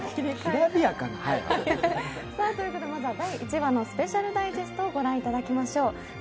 まずは第１話のスペシャルダイジェストを御覧いただきましょう。